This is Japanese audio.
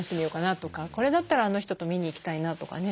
これだったらあの人と見に行きたいなとかね。